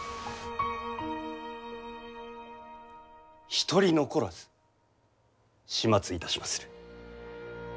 一人残らず始末いたしまする。